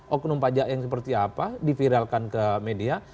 oknum pajak yang seperti apa diviralkan ke media